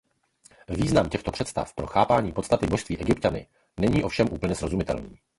Význam těchto představ pro chápání podstaty božství Egypťany není ovšem úplně srozumitelný.